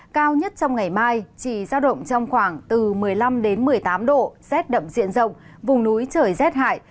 cao nhất trong ngày mai chỉ giao động trong khoảng từ một mươi năm một mươi tám độ rét đậm diện rộng vùng núi trời rét hại